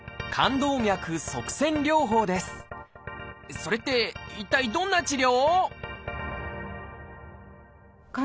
それって一体どんな治療？